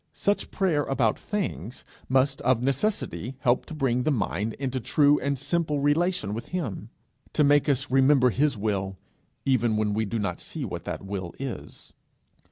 Such prayer about things must of necessity help to bring the mind into true and simple relation with him; to make us remember his will even when we do not see what that will is.